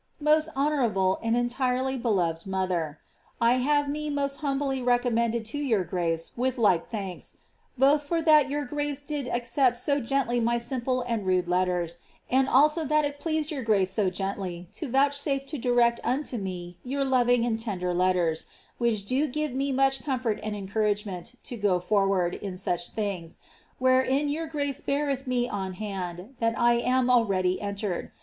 •*Mo8t honourable and entirely beloved mother, ! have me mo9t htimbly recommended to yonr grace with like thanks, Icth for that yoiir grace did accept so gently my simple and rude letteris and also that it ploatfed your grace so gently to vouchsufe to direct unto me your loving and tender letters, which do give me much comfort and encouragement to go forward in such things, wherein your grace beareth me on hand that I am already entrre<l.